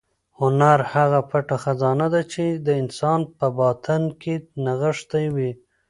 هنر هغه پټه خزانه ده چې د انسان په باطن کې نغښتې وي.